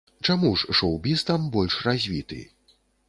Чаму ж шоў-біз там больш развіты?